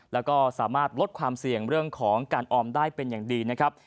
แล้วก็สามารถลดความเสี่ยงเรื่องของการออมได้เป็นอย่างดีนะครับ